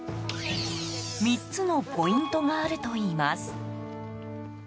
３つのポイントがあるといいます。